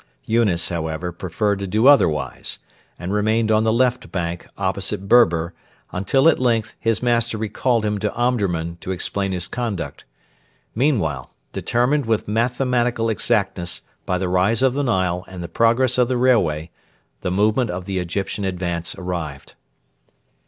Yunes, however, preferred to do otherwise, and remained on the left bank opposite Berber until, at length, his master recalled him to Omdurman to explain his conduct. Meanwhile, determined with mathematical exactness by the rise of the Nile and progress of the railway, the moment of the Egyptian advance arrived.